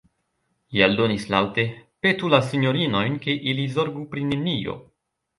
Li aldonis laŭte: "Petu la sinjorinojn, ke ili zorgu pri nenio."